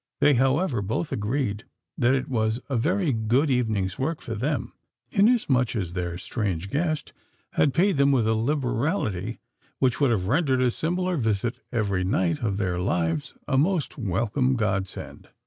They, however, both agreed that it was a very good evening's work for them; inasmuch as their strange guest had paid them with a liberality which would have rendered a similar visit every night of their lives a most welcome God send.